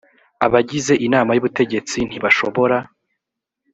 abagize inama y ubutegetsi ntibashobora